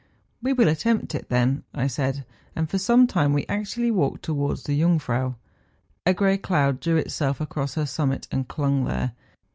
' We will attempt it, then,' I said; and for some time we actually walked towards the Jung¬ frau. A grey cloud drew itself across her summit, and clung there.